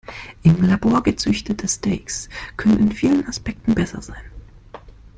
Im Labor gezüchtete Steaks könnten in vielen Aspekten besser sein.